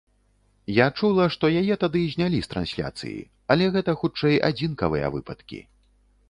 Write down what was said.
Я чула, што яе тады знялі з трансляцыі, але гэта, хутчэй, адзінкавыя выпадкі.